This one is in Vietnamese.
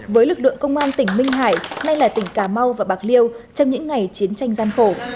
với lực lượng công an tỉnh minh hải nay là tỉnh cà mau và bạc liêu trong những ngày chiến tranh gian khổ